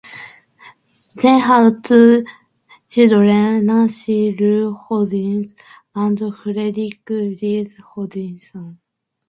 They had two children, Nancy Ruth Hodgson, and Frederick Jesse Hodgson.